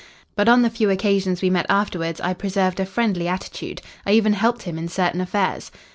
But on the few occasions we met afterwards I preserved a friendly attitude. I even helped him in certain affairs.